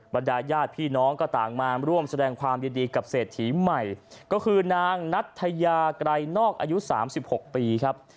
บรรดาญาติพี่น้องก็ต่างมาร่วมแสดงความยินดีกับเศรษฐีใหม่ก็คือนางนัทยาไกรนอกอายุ๓๖ปีครับ